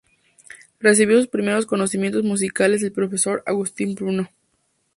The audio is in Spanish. Recibió sus primeros conocimientos musicales del profesor Augustin Bruno.